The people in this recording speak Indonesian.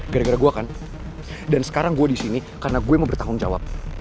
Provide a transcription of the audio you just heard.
gara gara gue kan dan sekarang gue di sini karena gue mau bertanggung jawab